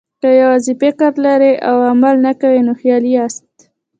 که یوازې فکر لرئ او عمل نه کوئ، نو خیالي یاست.